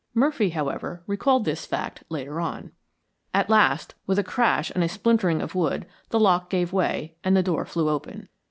Murphy, however, recalled this fact later on. At last, with a crash and a splintering of wood, the lock gave way and the door flew open.